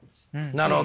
なるほど。